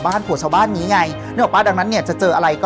ผัวชาวบ้านนี้ไงนึกออกปะดังนั้นเนี่ยจะเจออะไรก็